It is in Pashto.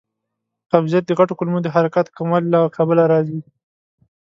قبضیت د غټو کولمو د حرکاتو کموالي له کبله راځي.